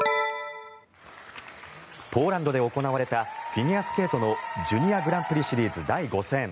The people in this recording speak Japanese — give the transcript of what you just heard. ポーランドで行われたフィギュアスケートのジュニアグランプリシリーズ第５戦。